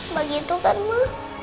begitu kan ma